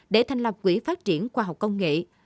để thành lập quỹ phát triển khoa học công nghệ